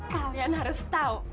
kalian harus tau